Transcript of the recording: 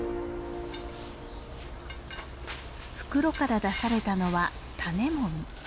袋から出されたのは種もみ。